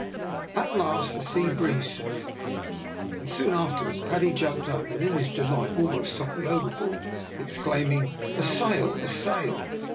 At last the sea breeze set in, and soon afterwards Paddy jumped up and, in his delight, almost toppled overboard, exclaiming, "A sail! a sail!"